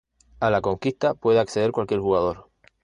A la conquista puede acceder cualquier jugador.